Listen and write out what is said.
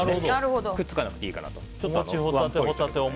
くっつかなくていいかなと。